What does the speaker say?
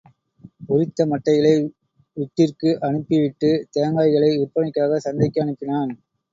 உரித்த மட்டைகளை விட்டிற்கு அனுப்பிவிட்டு, தேங்காய்களை விற்பனைக்காக சந்தைக்கு அனுப்பினான்.